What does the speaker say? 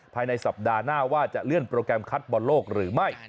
ภายในสัปดาห์หน้าว่าจะเลื่อนโปรแกรมคัดบอลโลกหรือไม่